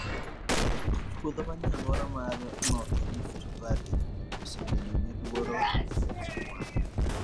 Jotich puodho manie alwora mar North Rift Valley osebedo gi luoro nikech kwan